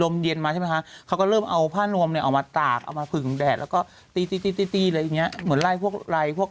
ก็จะมีผ้านวมผ้าห่มเก็บไว้